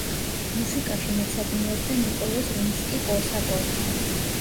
მუსიკაში მეცადინეობდა ნიკოლოზ რიმსკი-კორსაკოვთან.